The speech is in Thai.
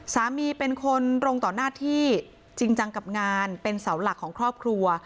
เป็นคนตรงต่อหน้าที่จริงจังกับงานเป็นเสาหลักของครอบครัว